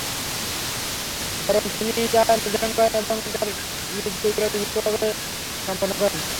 বরং তিনি নিজেই তা নির্ধারণ করেন এবং তাঁর নিজ কুদরতে সূক্ষ্মভাবে সম্পন্ন করেন।